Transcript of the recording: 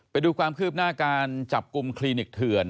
ไปดูความคืบหน้าการจับกลุ่มคลินิกเถื่อน